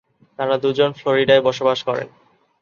তারা দুজন ফ্লোরিডায় বসবাস করেন।